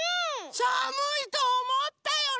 さむいとおもったよね！